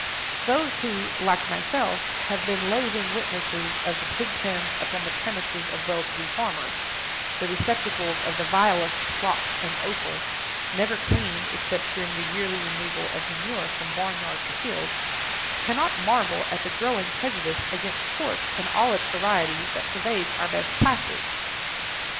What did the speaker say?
Those who, like myself, have been loathing witnesses of the pig pens upon the premises of well to do farmers—the receptacles of the vilest slops and offal, never cleaned except during the yearly removal of manure from barnyard to field—cannot marvel at the growing prejudice against pork in all its varieties that pervades our best classes.